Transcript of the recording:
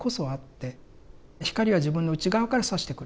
光は自分の内側からさしてくると。